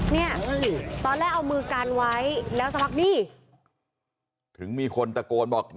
เนี่ยตอนแรกเอามือกันไว้แล้วสักพักนี่ถึงมีคนตะโกนบอก